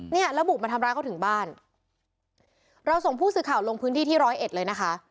เนี่ยแล้วบุกมาทำร้ายเขาถึงบ้านเราส่งผู้สื่อข่าวลงพื้นที่ที่ร้อยเอ็ดเลยนะคะ